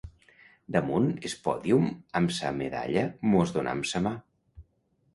Damunt es pòdium amb sa medalla mos donam sa mà.